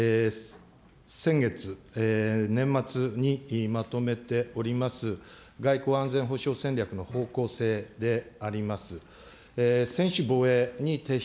先月、年末にまとめております、外交・安全保障戦略の方向性であります。